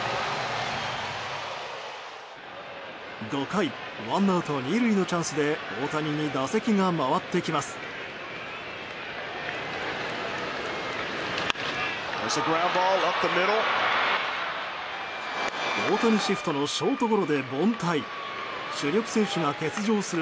５回、ワンアウト２塁のチャンスで大谷に打席が回ってきます。